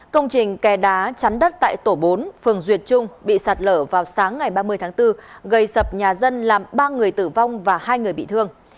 công trình kè đá chắn đất tại tổ bốn phường duyệt trung bị sạt lở vào sáng ngày ba mươi tháng bốn gây sập nhà dân làm ba người tử vong và hai người bị thương